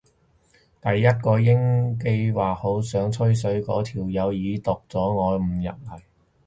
第一個應機話好想吹水嗰條友已讀咗我又唔入嚟